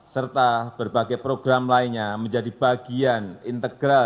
serta berbagai program lainnya menjadi bagian integral